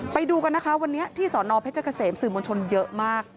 ไปดูกันนะคะวันนี้ที่สอนอเพชรเกษมสื่อมวลชนเยอะมาก